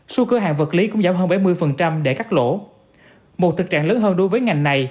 số cửa hàng vật lý cũng giảm hơn bảy mươi để cắt lỗ một thực trạng lớn hơn đối với ngành này